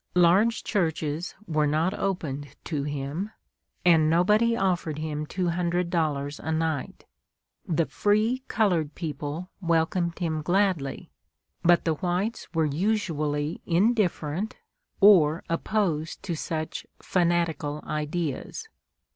Large churches were not opened to him, and nobody offered him two hundred dollars a night! The free colored people welcomed him gladly, but the whites were usually indifferent or opposed to such "fanatical" ideas.